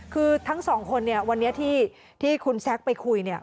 คือทั้ง๒คนวันนี้ที่คุณแซ็กไปคุยนะ